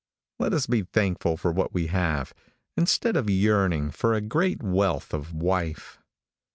Let us be thankful for what we have, instead of yearning for a great wealth of wife.